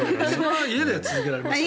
家では続けられますね。